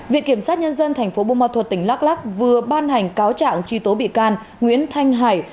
việc kiểm sát nhân dân tp buôn ma thuật tỉnh lắc lắc vừa ban hành cáo trạng truy tố bị can nguyễn thanh hải